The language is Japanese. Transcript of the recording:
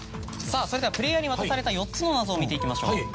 それではプレーヤーに渡された４つの謎を見ていきましょう。